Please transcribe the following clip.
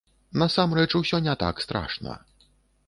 Насамрэч, усё не так страшна.